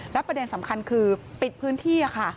และประเด็นสำคัญคือปิดพื้นที่ค่ะ